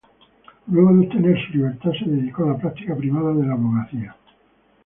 Luego de obtener su libertad se dedicó a la práctica privada de la abogacía.